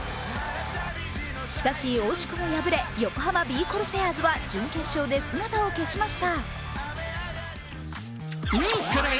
しかし、惜しくも敗れ横浜ビー・コルセアーズは準決勝で姿を消しました。